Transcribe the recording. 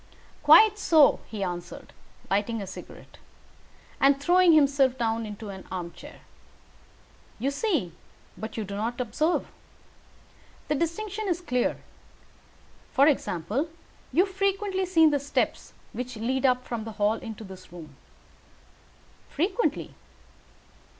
"Quite so," he answered, lighting a cigarette, and throwing himself down into an armchair. "You see, but you do not observe. The distinction is clear. For example, you have frequently seen the steps which lead up from the hall to this room." "Frequently."